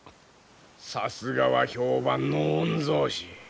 さすがは評判の御曹司。